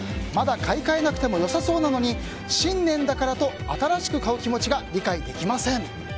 まだ買い替えなくてもよさそうなのに新年だからと新しく買う気持ちが理解できません。